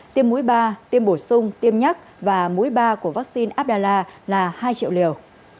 tiêm mũi ba tiêm bổ sung tiêm nhắc và mũi ba của vaccine abdallah là hai triệu liều